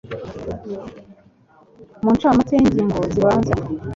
mu ncamake y'ingingo zibanza